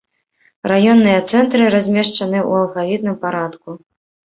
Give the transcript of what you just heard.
Раённыя цэнтры размешчаныя ў алфавітным парадку.